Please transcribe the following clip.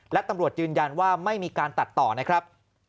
และตำรวจยืนยันว่าไม่มีการตัดต่อนะครับ